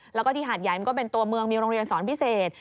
แล้วก็ที่หาดใหญ่มันก็เป็นตัวเมืองมีโรงเรียนสอนพิเศษ